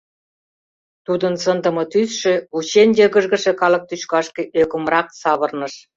Тудын сындыме тӱсшӧ вучен йыгыжгыше калык тӱшкашке ӧкымрак савырныш.